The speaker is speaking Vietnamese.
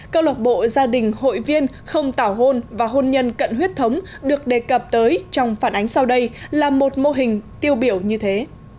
câu lộc bộ gia đình hội viên không tảo hôn và hôn nhân cận huyết thống được đề cập tới trong phản ánh sau đây là một mô hình tiêu biểu như thế